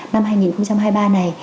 năm hai nghìn hai mươi ba này